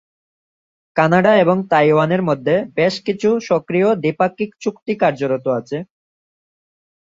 Canada এবং তাইওয়ানের মধ্যে বেশকিছু সক্রিয় দ্বিপাক্ষিক চুক্তি কার্যরত আছে।